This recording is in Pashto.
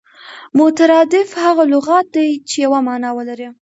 مترادف هغه لغت دئ، چي یوه مانا ولري.